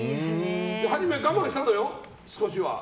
はじめ我慢したのよ、少しは。